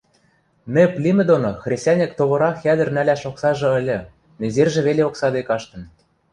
Нэп лимӹ доно хресӓньӹк товыра-хӓдӹр нӓлӓш оксажы ыльы, незержӹ веле оксаде каштын.